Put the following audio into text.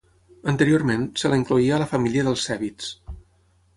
Anteriorment, se la incloïa a la família dels cèbids.